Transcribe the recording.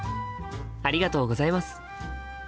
ありがとうございます。